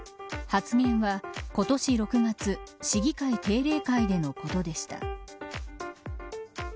発言は、今年６月市議会定例会でのことでした。